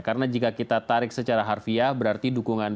karena jika kita tarik secara harfiah berarti dukungan